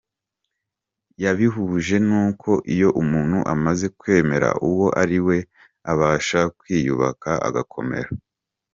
Yabihuje n’uko “iyo umuntu amaze kwemera uwo ari we, abasha kwiyubaka agakomera.